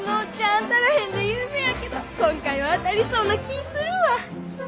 当たらへんで有名やけど今回は当たりそうな気ぃするわ！